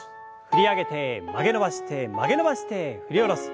振り上げて曲げ伸ばして曲げ伸ばして振り下ろす。